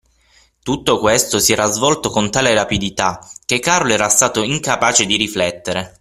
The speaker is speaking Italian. Tutto questo si era svolto con tale rapidità, che Carlo era stato incapace di riflettere.